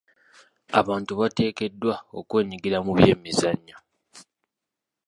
Abantu bateekeddwa okwenyigira mu by'emizannyo.